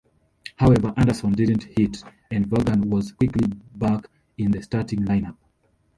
However, Anderson didn't hit, and Vaughan was quickly back in the starting lineup.